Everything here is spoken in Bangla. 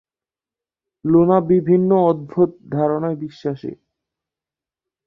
লুনা বিভিন্ন অদ্ভুত ধারণায় বিশ্বাসী।